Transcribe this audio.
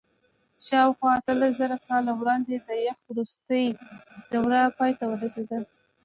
شاوخوا اتلسزره کاله وړاندې د یخ وروستۍ دوره پای ته ورسېده.